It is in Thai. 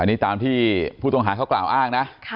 อันนี้ตามที่ผู้ต้องหาเขากล่าวอ้างนะ